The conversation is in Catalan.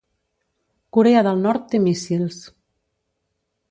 Corea del Nord té míssils